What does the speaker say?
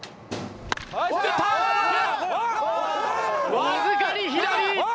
わずかに左！